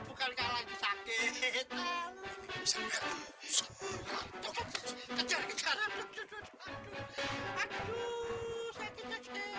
berani kau mencoba menyuruh nyuruhku ya